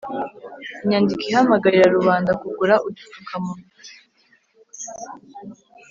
inyandiko ihamagarira rubanda kugura udupfukamunwa